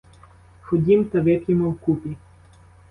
Ходім та вип'ємо вкупі!